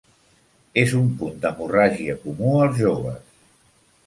És un punt d'hemorràgia comú als joves.